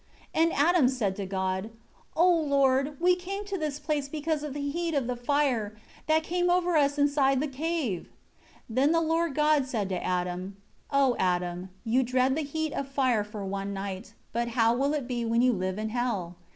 3 And Adam said to God, "O Lord, we came to this place because of the heat of the fire, that came over us inside the cave." 4 Then the Lord God said to Adam, "O Adam, you dread the heat of fire for one night, but how will it be when you live in hell?